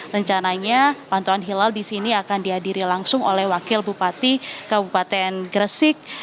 rencananya pantauan hilal di sini akan dihadiri langsung oleh wakil bupati kabupaten gresik